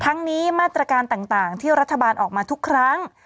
ทั้งนี้มาตรการต่างที่รัฐบาลออกมาทุกครั้ง